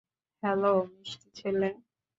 Hello, মিষ্টি ছেলে।